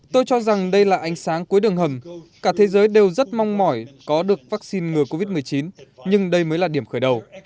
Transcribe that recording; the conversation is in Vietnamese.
tôi cho rằng đây là ánh sáng cuối đường hầm cả thế giới đều rất mong mỏi có được vaccine ngừa covid một mươi chín nhưng đây mới là điểm khởi đầu